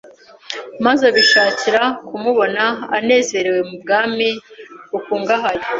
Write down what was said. maze bishakira kumubona anezerewe mu bwami bukungahaye